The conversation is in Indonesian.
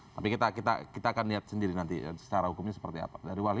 tapi kita akan lihat sendiri nanti secara hukumnya seperti apa